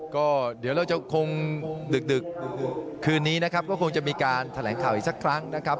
ก็เดี๋ยวเราจะคงดึกคืนนี้นะครับก็คงจะมีการแถลงข่าวอีกสักครั้งนะครับ